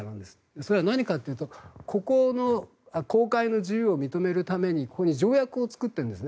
それは何かというとここの航海の自由を認めるためにここに条約を作っているんですね